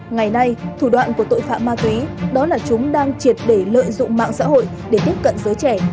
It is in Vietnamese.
ngày nay thủ đoạn của tội phạm ma túy đó là chúng đang triệt để lợi dụng mạng xã hội để tiếp cận giới trẻ